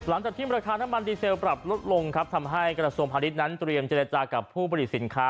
หลังจากที่ราคาน้ำมันดีเซลปรับลดลงครับทำให้กระทรวงพาณิชย์นั้นเตรียมเจรจากับผู้ผลิตสินค้า